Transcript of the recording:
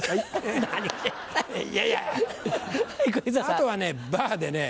あとはねバーでね